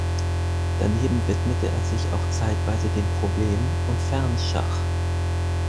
Daneben widmete er sich auch zeitweise dem Problem- und Fernschach.